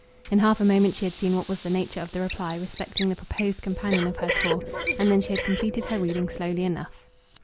In half a moment she had seen what was the nature of the reply respecting the proposed companion of her tour, and then she had completed her reading slowly enough.